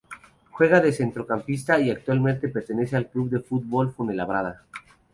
Juega de centrocampista y actualmente pertenece al Club de Fútbol Fuenlabrada.